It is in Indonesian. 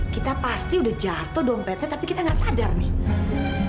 kita pasti udah jatuh dompetnya tapi kita gak sadar nih